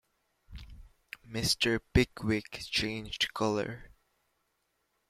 Mr. Pickwick changed colour.